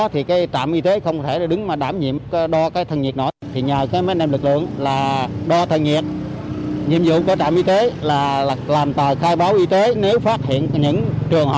thì mấy anh em mình mời vô phòng trong